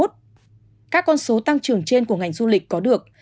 các con số tăng trưởng trên của ngành du lịch có được